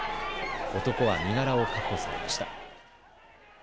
男は身柄を確保されました。